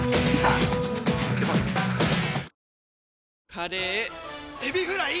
カレーエビフライ！